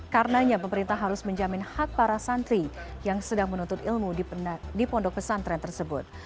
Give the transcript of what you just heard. karenanya pemerintah harus menjamin hak para santri yang sedang menuntut ilmu di pondok pesantren tersebut